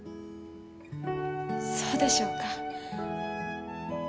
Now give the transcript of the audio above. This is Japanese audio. そうでしょうか。